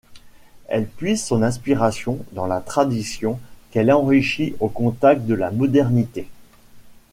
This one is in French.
Elle puise son inspiration dans la tradition qu'elle enrichit au contact de la modernité.